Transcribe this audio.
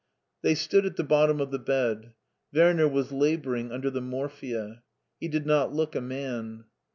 They stood at the bottom of the bed. Werner was laboring under the morphia. He did not look a man.